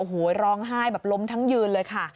โอ้โหร้องไห้แบบล้มทั้งยืนเลยค่ะ